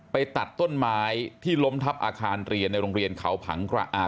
ตัดต้นไม้ที่ล้มทับอาคารเรียนในโรงเรียนเขาผังกระอ่า